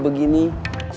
saya pengen beli kopi